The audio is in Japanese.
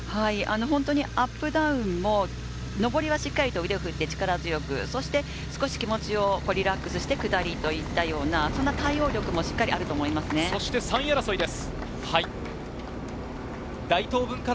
アップダウンも上りはしっかりと腕を振って力強く、少し気持ちをリラックスして、下りといったような３位争いです。